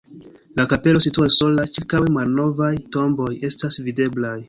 La kapelo situas sola, ĉirkaŭe malnovaj tomboj estas videblaj.